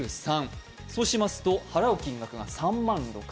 ３、そうしますと払う金額が３万６０００円に。